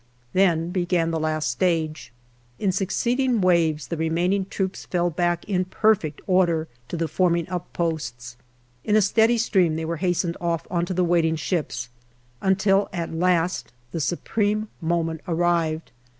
Then began the last stage. In succeeding waves the remain ing troops fell back in perfect order to the forming up posts. In a steady stream they were hastened off on to the waiting ships, until at last the supreme moment arrived.